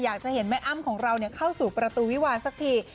อยากจะเห็นแม่อ้ำของเราเข้าสู่ประตูวิวาลสักที